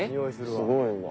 すごいわ。